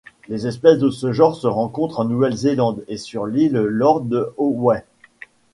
Les espèces de ce genre se rencontrent en Nouvelle-Zélande et sur l'île Lord Howe.